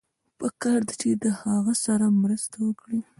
پکار ده چې له هغه سره مرسته وکړئ.